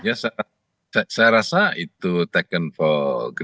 ya saya rasa itu taken for granted